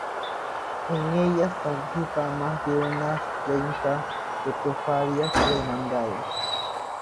En ellas participan más de una treintena de cofradías y hermandades.